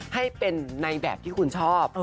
ให้เป็นในแบบที่คุณชอบ